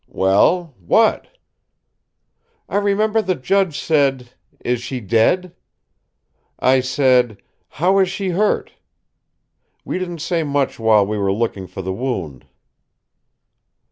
"Well, what?" "I remember the judge said, 'Is she dead?' I said, 'How is she hurt?' We didn't say much while we were looking for the wound."